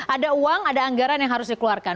ada uang ada anggaran yang harus dikeluarkan